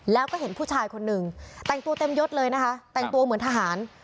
แล้วก็เห็นผู้ชายคนหนึ่งแต่งตัวเต็มยดเลยนะคะแต่งตัวเหมือนทหาร